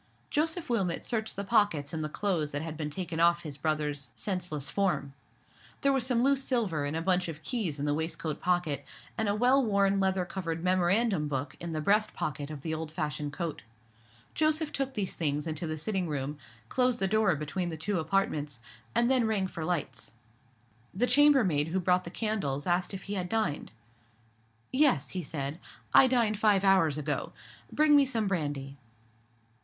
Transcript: Joseph Wilmot searched the pockets in the clothes that had been taken off his brother's senseless form. There was some loose silver and a bunch of keys in the waistcoat pocket, and a well worn leather covered memorandum book in the breast pocket of the old fashioned coat. Joseph took these things into the sitting room, closed the door between the two apartments, and then rang for lights. The chambermaid who brought the candles asked if he had dined. "Yes," he said, "I dined five hours ago. Bring me some brandy."